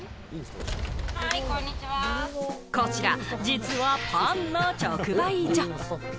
こちら、実はパンの直売所。